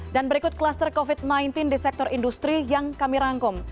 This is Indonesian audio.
dan berikut kluster covid sembilan belas di sektor industri yang kami rangkum